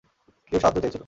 কেউ সাহায্য চেয়েছিল।